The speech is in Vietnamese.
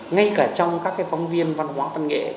ngay cả trong các phóng viên văn hóa văn nghệ